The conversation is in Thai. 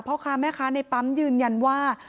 พ่อค้าแม่ค้าในปั๊มยืนยันว่า